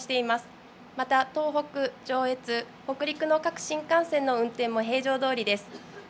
また、東北、上越、北陸の各新幹線の運転も平常どおりです。